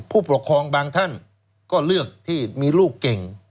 ผู้ปกครองบางท่านก็เลือกที่มีลูกเก่ง